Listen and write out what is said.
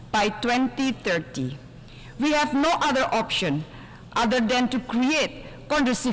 kita tidak memiliki pilihan lain selain untuk menciptakan lingkungan yang kondusif